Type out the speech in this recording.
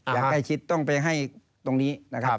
อย่างใกล้ชิดต้องไปให้ตรงนี้นะครับ